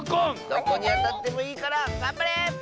どこにあたってもいいからがんばれ！